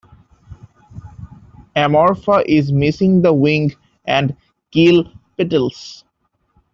"Amorpha" is missing the wing and keel petals.